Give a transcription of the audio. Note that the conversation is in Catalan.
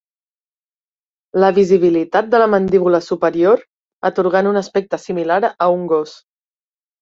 La visibilitat de la mandíbula superior, atorgant un aspecte similar a un gos.